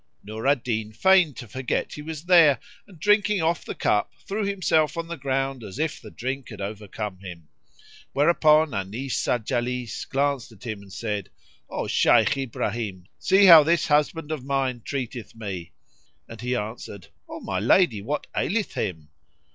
Nur al Din feigned to forget he was there and, drinking off the cup, threw himself on the ground as if the drink had overcome him; whereupon Anis al Jalis glanced at him and said, "O Shaykh Ibrahim see how this husband of mine treateth me;" and he answered, "O my lady, what aileth him?"